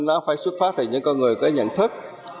nó phải xuất phát từ những con người có nhận thức